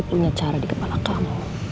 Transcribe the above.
punya cara di kepala kamu